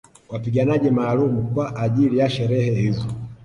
Wapiganaji maalumu kwa ajili ya sherehe hizo